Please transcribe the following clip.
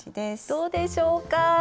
どうでしょうか。